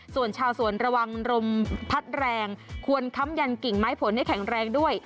ส่วนชาวสวนระวังลมพัดแรงควรค้ำยันกิ่งไม้ผลให้แข็งแรงด้วย